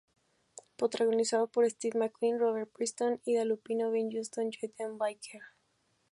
Protagonizado por Steve McQueen, Robert Preston, Ida Lupino, Ben Johnson, Joe Don Baker.